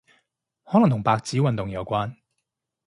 可能同白紙運動有關